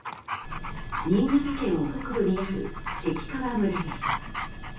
新潟県北部にある関川村です。